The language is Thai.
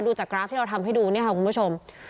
ดูจากกราฟที่เราทำให้ดูเนี่ยค่ะคุณผู้ชม